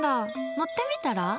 乗ってみたら？